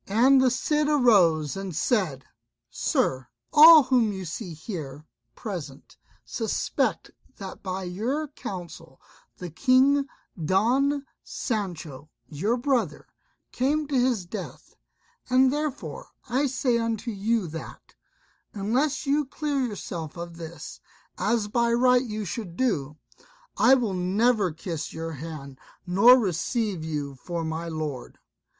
And the Cid arose and said, "Sir, all whom you see here present, suspect that by your counsel the King Don Sancho your brother came to his death; and therefore I say unto you that, unless you clear yourself of this, as by right you should do, I will never kiss your hand, nor receive you for my lord."